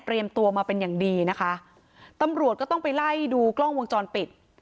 ตัวมาเป็นอย่างดีนะคะตำรวจก็ต้องไปไล่ดูกล้องวงจรปิด